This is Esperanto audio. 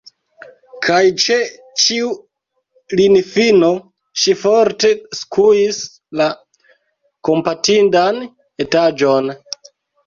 Kaj ĉe ĉiu linifino ŝi forte skuis la kompatindan etaĵon.